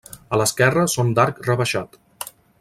A l'esquerra són d'arc rebaixat.